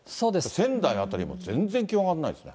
仙台辺りも全然気温上がらないですね。